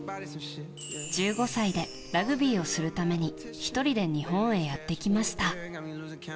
１５歳でラグビーをするために１人で日本にやってきました。